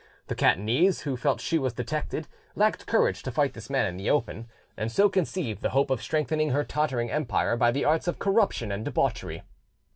The Catanese, who felt she was detected, lacked courage to fight this man in the open, and so conceived the hope of strengthening her tottering empire by the arts of corruption and debauchery.